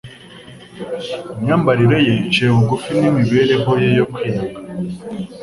imyambarire ye iciye bugufi n'imibereho ye yo kwiyanga,